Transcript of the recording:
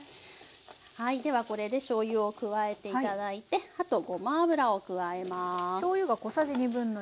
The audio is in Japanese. はいではこれでしょうゆを加えて頂いてあとごま油を加えます。